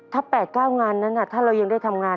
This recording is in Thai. ถ้า๘๙งานนั้นถ้าเรายังได้ทำงาน